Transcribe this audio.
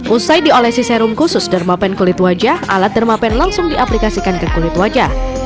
usai diolesi serum khusus dermapen kulit wajah alat dermapen langsung diaplikasikan ke kulit wajah